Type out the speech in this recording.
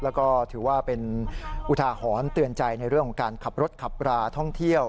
แล้วก็ถือว่าเป็นอุทาหรณ์เตือนใจในเรื่องของการขับรถขับราท่องเที่ยว